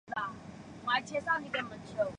两者封面俱似电影中的信封。